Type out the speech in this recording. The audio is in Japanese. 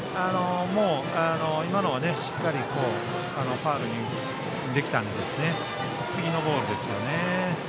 もう、今のはしっかりとファウルにできたので、次のボールですね。